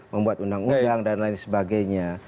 membuat undang undang dan lain sebagainya